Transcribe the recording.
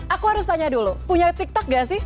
aku harus tanya dulu punya tiktok gak sih